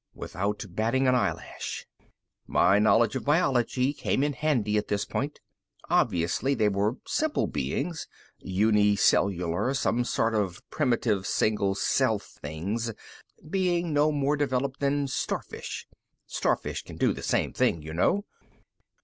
Without batting an eyelash. My knowledge of biology came in handy, at this point. Obviously they were simple beings, uni cellular, some sort of primitive single celled things. Beings no more developed than starfish. Starfish can do the same thing, you know.